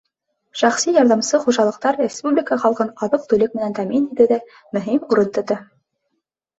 Шәхси ярҙамсы хужалыҡтар республика халҡын аҙыҡ-түлек менән тәьмин итеүҙә мөһим урын тота.